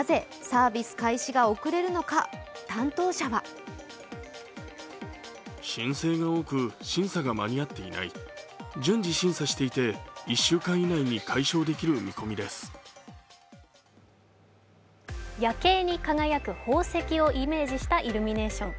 サービス開始が遅れるのか担当者は夜景に輝く宝石をイメージしたイルミネーション。